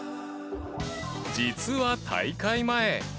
実は大会前。